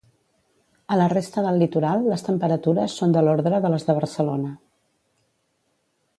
A la resta del litoral les temperatures són de l'ordre de les de Barcelona.